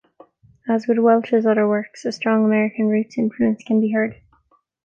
As with Welch's other works, a strong American roots influence can be heard.